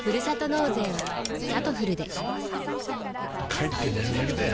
帰って寝るだけだよ